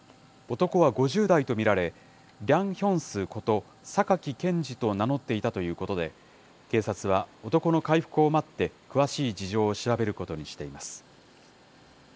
男は５０代と見られ、リャンヒョンスことサカキケンジと名乗っていたということで、警察は男の回復を待って詳しい事情を調べることにしています。